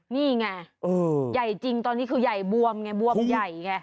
นี่ไงใหญ่จริงตอนนี้คือใหญ่บวมไงบวมใหญ่ไง